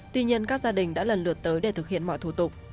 tuy nhiên các gia đình đã lần lượt tới để thực hiện mọi thủ tục